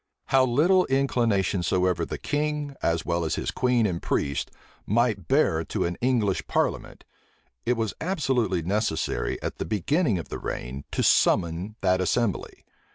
How little inclination soever the king, as well as his queen and priests, might bear to an English parliament, it was absolutely necessary, at the beginning of the reign, to summon that assembly.